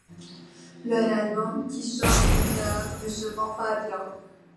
Leur album qui sort plus tard ne se vend pas bien.